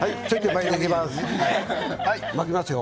巻きますよ。